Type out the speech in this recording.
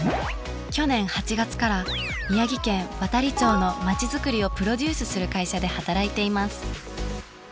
去年８月から宮城県亘理町のまちづくりをプロデュースする会社で働いています。